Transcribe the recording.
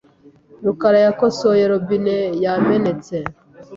rukara yakosoye robine yamenetse .